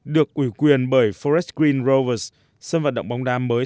được ủy quyền bởi forest green rovers sân vận động bóng đá mới